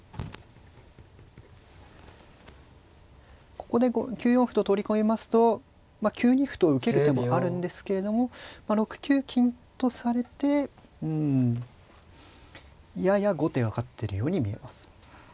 ここで９四歩と取り込みますと９二歩と受ける手もあるんですけれども６九金とされてうんやや後手が勝ってるように見えます。